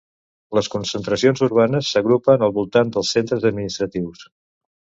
Les concentracions urbanes s'agrupen al voltant dels centres administratius.